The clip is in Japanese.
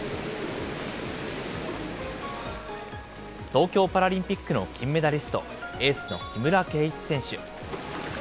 東京パラリンピックの金メダリスト、エースの木村敬一選手。